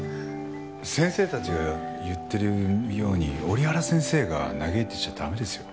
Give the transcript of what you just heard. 先生たちが言ってるように折原先生が嘆いてちゃ駄目ですよ。